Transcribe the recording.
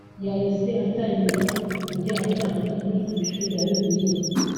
yahise atangira kujya atanga inyigisho za bibiliya